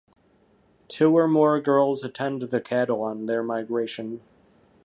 Two or more girls attend the cattle on their migration.